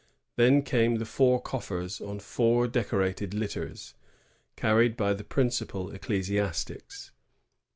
Then came the four coffers on four decorated litters, carried by the principal ecclesiastics.